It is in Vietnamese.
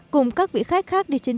cùng các vị khách khác đi trên chuyến bay